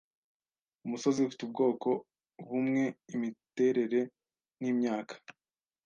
Umusozi ufite ubwoko bumwe imitereren'imyaka